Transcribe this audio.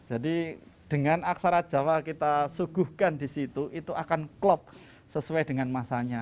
jadi dengan aksara jawa kita suguhkan di situ itu akan klop sesuai dengan masanya